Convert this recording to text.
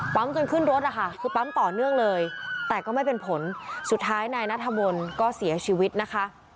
จนขึ้นรถนะคะคือปั๊มต่อเนื่องเลยแต่ก็ไม่เป็นผลสุดท้ายนายนัทมนต์ก็เสียชีวิตนะคะ